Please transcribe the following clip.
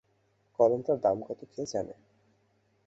কলমটার দাম কত কে জানে।